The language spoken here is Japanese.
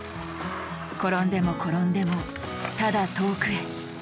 転んでも転んでもただ遠くへ。